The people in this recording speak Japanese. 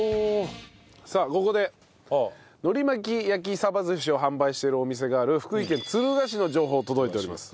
さあここでのり巻焼き鯖寿司を販売しているお店がある福井県敦賀市の情報届いております。